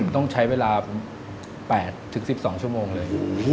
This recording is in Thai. ต้องใช้เวลา๘๑๒ชั่วโมงเลย